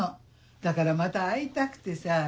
だからまた会いたくてさぁ。